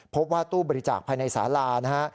พบว่าตู้บริจาคภายในสารานะฮะ